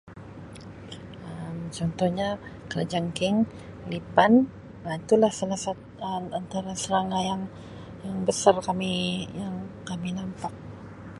Um Contohnya kalajengking, lipan Um itulah salah sat- Um antara serangga yang-yang besar kami yang kami nampak.